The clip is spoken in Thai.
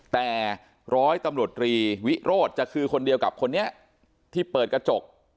แต่ร้อยตำรวจรีวิโรธจะคือคนเดียวกับคนนี้ที่เปิดกระจก